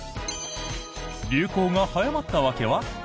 流行が早まった訳は？